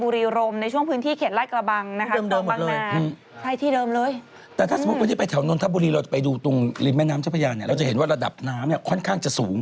เราจะไปดูตรงริมแม่น้ำเจ้าพระยาเราจะเห็นว่าระดับน้ำค่อนข้างจะสูง